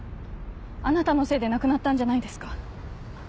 あなたのせいで亡くなったんじゃないですか？